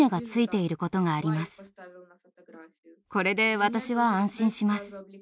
これで私は安心します。